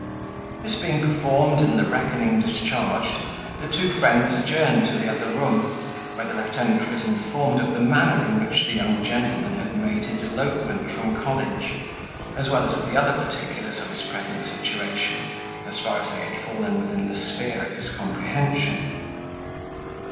This being performed and the reckoning discharged, the two friends adjourned to the other room, where the lieutenant was informed of the manner in which the young gentleman had made his elopement from college, as well as of the other particulars of his present situation, as far as they had fallen within the sphere of his comprehension.